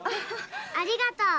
ありがとう。